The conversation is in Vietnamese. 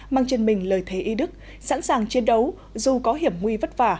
mang trên mình lời thế y đức sẵn sàng chiến đấu dù có hiểm nguy vất vả